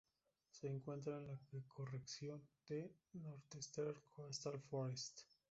Se encuentra en la ecorregión de "Northeastern coastal forests".